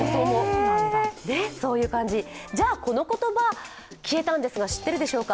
そういう感じ、じゃあこの言葉消えたんですが、知ってるでしょうか。